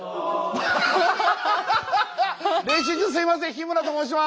練習中すいません日村と申します。